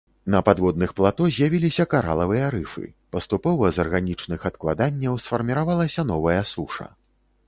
На падводных плато з'явіліся каралавыя рыфы, паступова з арганічных адкладанняў сфарміравалася новая суша.